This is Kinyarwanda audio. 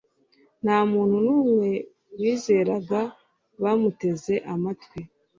Nta muntu numwe wizeraga Bamuteze amatwi